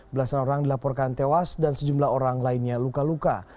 belasan orang dilaporkan tewas dan sejumlah orang lainnya luka luka